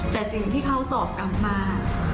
แต่สิ่งที่เขาตอบกลับมา